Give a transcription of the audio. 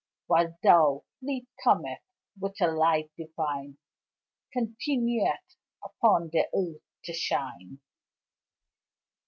While thou, fleet comet, with a light divine Continueth upon the earth to shine.